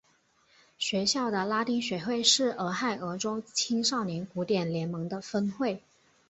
学校的拉丁学会是俄亥俄州青少年古典联盟的分会。